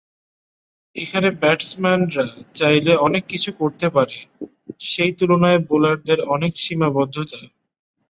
এখানে ব্যাটসম্যানরা চাইলে অনেক কিছু করতে পারে, সেই তুলনায় বোলারদের অনেক সীমাবদ্ধতা।